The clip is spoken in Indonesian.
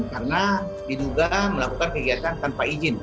karena diduga melakukan kegiatan tanpa izin